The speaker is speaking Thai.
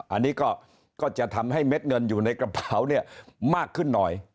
อันนี้ก็จะทำให้เม็ดเงินอยู่ในกระเป๋าเนี่ยมากขึ้นหน่อย